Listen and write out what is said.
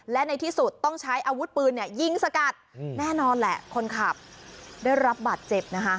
และในที่สุดต้องใช้อาวุธปืนยิงสกัดแน่นอนแหละคนขับได้รับบาดเจ็บนะคะ